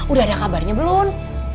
udah ada kabarnya belum